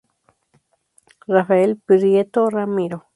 Rafael Prieto Ramiro.